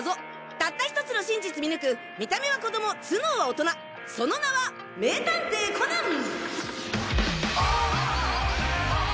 たった１つの真実見抜く見た目は子供頭脳は大人その名は名探偵コナン！